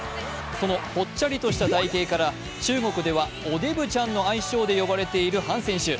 そのぽっちゃりとした体型から中国では、おでぶちゃんの愛称で呼ばれている樊選手。